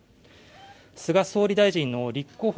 菅総理大臣の立候補